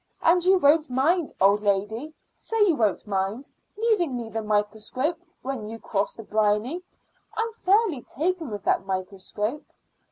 And you won't mind, old lady say you won't mind leaving me the microscope when you cross the briny? I'm fairly taken with that microscope.